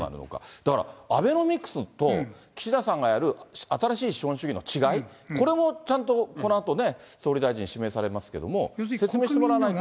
だから、アベノミクスと、岸田さんがやる、新しい資本主義の違い、これもちゃんと、このあとね、総理大臣指名されますけども、説明してもらわないと。